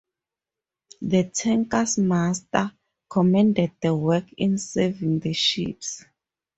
The tanker's master commended the work in saving the ship.